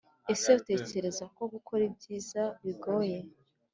Ese utekereza ko gukora ibyiza bigoye